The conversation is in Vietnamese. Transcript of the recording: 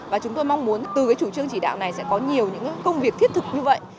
và chúng tôi mong muốn từ cái chủ trương chỉ đạo này sẽ có nhiều những công việc thiết thực như vậy